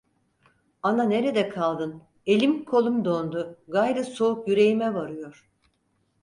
Ana nerede kaldın, elim kolum dondu, gayrı soğuk yüreğime varıyor!